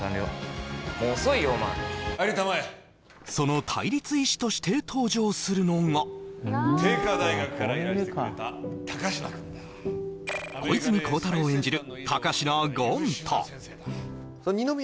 もう遅いよお前その対立医師として登場するのが帝華大学からいらしてくれた高階くんだ小泉孝太郎演じる